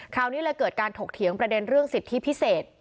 คราวนี้เลยเกิดการถกเถียงประเด็นเรื่องสิทธิพิเศษ